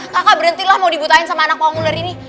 kakak berhentilah mau dibutahin sama anak pangguler ini